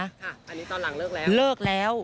ค่ะอันนี้ตอนหลังเลิกแล้ว